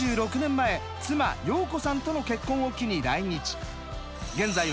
前妻陽子さんとの結婚を機に来日。